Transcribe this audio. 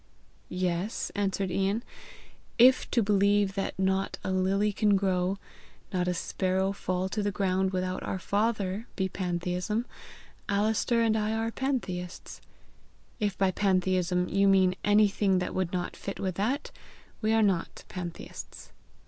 "Yes," answered Ian. "If to believe that not a lily can grow, not a sparrow fall to the ground without our Father, be pantheism, Alister and I are pantheists. If by pantheism you mean anything that would not fit with that, we are not pantheists."